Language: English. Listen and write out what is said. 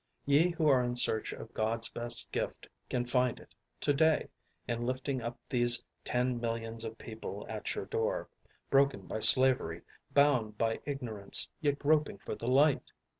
Ye who are in search of God's best gift can find it to day in lifting up these ten millions of people at your door, broken by slavery, bound by ignorance, yet groping for the light.